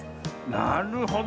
なるほど。